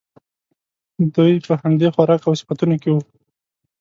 دوی په همدې خوراک او صفتونو کې وو.